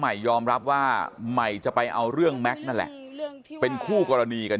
ใหม่ยอมรับว่าใหม่จะไปเอาเรื่องแม็กซ์นั่นแหละเป็นคู่กรณีกัน